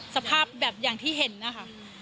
สภาพแบบอย่างที่เห็นนะคะ